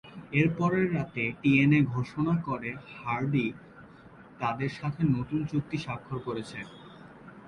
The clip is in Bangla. এরপরের রাতে টিএনএ ঘোষণা করে হার্ডি তাদের সাথে নতুন চুক্তি সাক্ষর করেছে।